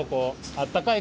あったかい。